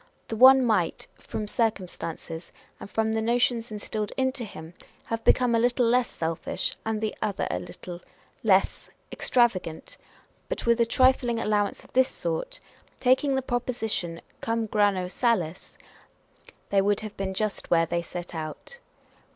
The one might, from circumstances, and from the notions instilled into him, have become a little less selfish, and the other a little les: extravagant ; but with a trifling allowance of this sort, taking the proposition cum grano salis, they would have been just where they set out.